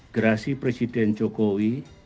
gerasi presiden jokowi